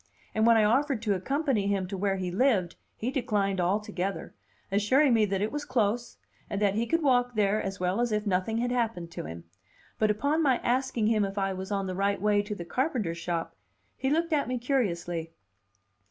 And when I offered to accompany him to where he lived, he declined altogether, assuring me that it was close, and that he could walk there as well as if nothing had happened to him; but upon my asking him if I was on the right way to the carpenter's shop, he looked at me curiously.